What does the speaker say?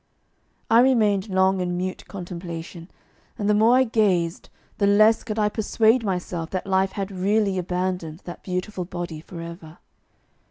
I remained long in mute contemplation, and the more I gazed, the less could I persuade myself that life had really abandoned that beautiful body for ever.